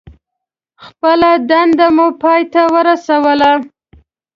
خپله دنده مو پای ته ورسوله.